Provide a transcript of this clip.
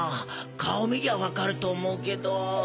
顔見りゃわかると思うけどぉ。